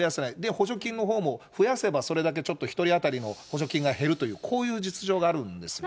補助金のほうも増やせばそれだけちょっと１人当たりの補助金が減るという、こういう実情があるんですよね。